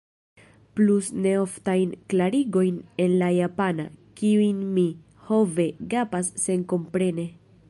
Plus neoftajn klarigojn en la japana, kiujn mi, ho ve, gapas senkomprene.